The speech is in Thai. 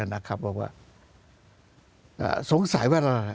แบบว่าสงสัยว่า